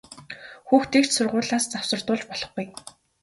Хүүхдийг ч сургуулиас завсардуулж болохгүй!